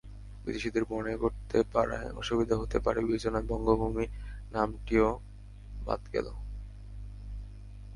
বিদেশিদের মনে করতে পারায় অসুবিধা হতে পারে বিবেচনায় বঙ্গভূমি নামটিও বাদ গেল।